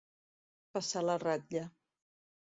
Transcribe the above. Passar la ratlla.